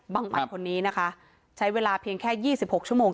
บังอัดคนนี้นะคะใช้เวลาเพียงแค่๒๖ชั่วโมง